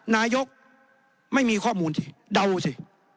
นายกไม่มีข้อมูลสิเดาสิ